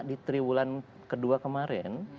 di triwulan ke dua kemarin